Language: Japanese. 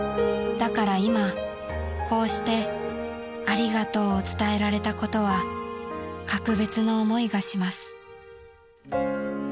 ［「だから今こうして『ありがとう』を伝えられたことは格別の思いがします」］